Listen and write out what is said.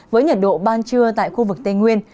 với nhiệt độ ban trưa tại khu vực tây nguyên